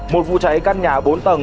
một vụ cháy căn nhà bốn tầng